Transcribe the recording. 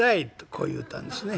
こう言うたんですね。